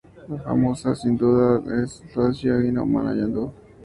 La más famosa es sin duda es Tadashi Agi y Yuma Ando.